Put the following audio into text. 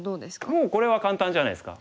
もうこれは簡単じゃないですか。